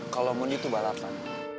kalau mon itu balapan